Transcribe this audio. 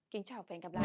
kính chào và hẹn gặp lại